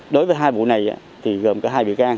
đối với hai vụ này thì gồm cả hai bị can